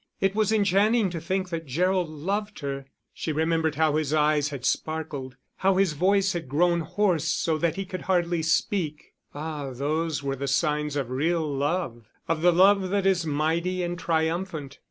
It was enchanting to think that Gerald loved her; she remembered how his eyes had sparkled, how his voice had grown hoarse so that he could hardly speak: ah, those were the signs of real love, of the love that is mighty and triumphant.